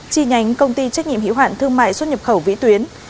chi nhánh công ty trách nhiệm hiệu hạn thương mại xuất nhập khẩu vĩ tuyến